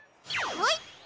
はい！